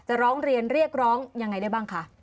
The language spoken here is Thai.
ร้องเรียนเรียกร้องยังไงได้บ้างคะ